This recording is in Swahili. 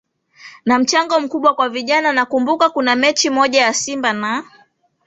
na mchango mkubwa kwa vijana Nakumbuka kuna mechi moja ya Simba na